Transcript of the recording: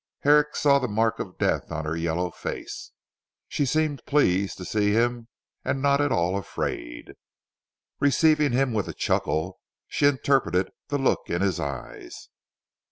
Herrick saw the mark of death on her yellow face. She seemed pleased to see him and not at all afraid. Receiving him with a chuckle, she interpreted the look in his eyes.